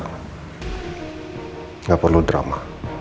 tidak perlu drama